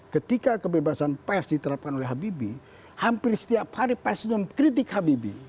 ketika kebebasan pers diterapkan oleh habibie hampir setiap hari presiden mengkritik habibie